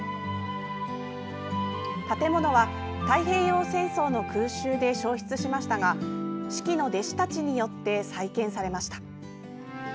建物は太平洋戦争の空襲で焼失しましたが子規の弟子たちによって再建されました。